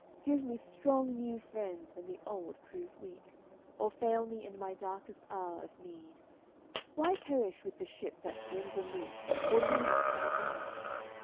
Give me strong new friends when the old prove weak Or fail me in my darkest hour of need; Why perish with the ship that springs a leak Or lean upon a reed?